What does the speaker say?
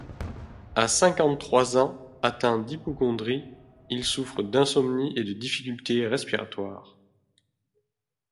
À cinquante-trois ans, atteint d'hypocondrie, il souffre d'insomnies et de difficultés respiratoires.